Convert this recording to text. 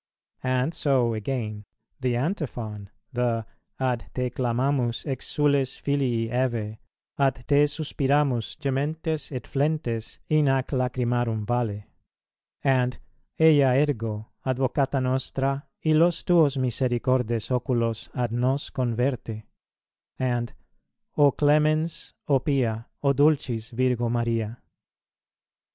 And so again, the Antiphon, the "Ad te clamamus exules filii Hevæ, ad te suspiramus gementes et flentes in hac lacrymarum valle," and "Eia ergo, advocata nostra, illos tuos misericordes oculos ad nos converte," and "O clemens, O pia, O dulcis Virgo Maria."